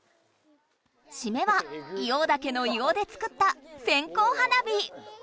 しめは硫黄岳の硫黄で作った線こう花火！